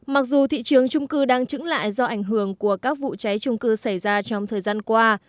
mặc dù thị trường trung cư đang trứng lại do ảnh hưởng của các vụ cháy trung cư xảy ra trong thời gian qua